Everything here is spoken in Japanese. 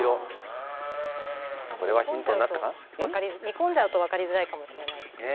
にこんじゃうとわかりづらいかもしれないですけど。